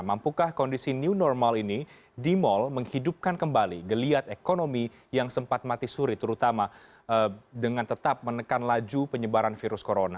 mampukah kondisi new normal ini di mall menghidupkan kembali geliat ekonomi yang sempat mati suri terutama dengan tetap menekan laju penyebaran virus corona